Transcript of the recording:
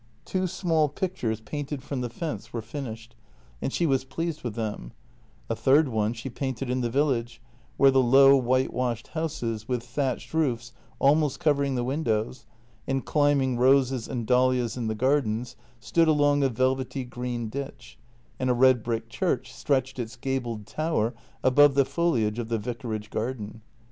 Two small pictures painted from the fence were finished, and she was pleased with them; a third one she painted in the village, where the low whitewashed houses with thatched roofs almost covering the windows, and climbing roses and dahlias in the gardens, stood along a velvety green ditch, and a red brick church stretched its gabled tower above the foliage of the vicarage garden.